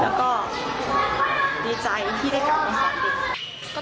แล้วก็ดีใจที่ได้กลับมาหาเด็ก